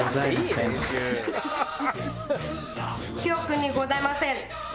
記憶にございません。